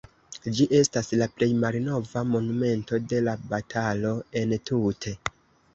Ĝi estas la plej malnova monumento de la batalo entute.